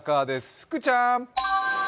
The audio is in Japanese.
福ちゃん。